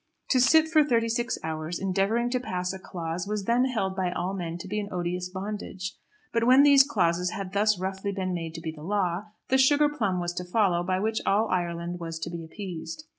To sit for thirty six hours endeavouring to pass a clause was then held by all men to be an odious bondage. But when these clauses had thus roughly been made to be the law, the sugar plum was to follow by which all Ireland was to be appeased.